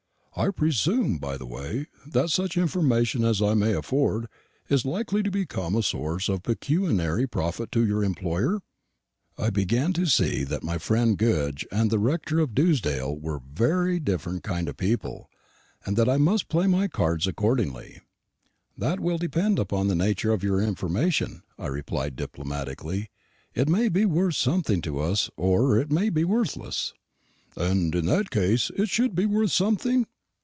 I presume, by the way, that such information as I may afford is likely to become a source of pecuniary profit to your employer?" I began to see that my friend Goodge and the rector of Dewsdale were very different kind of people, and that I must play my cards accordingly. "That will depend upon the nature of your information," I replied diplomatically; "it may be worth something to us, or it may be worthless." "And in case it should be worth something?"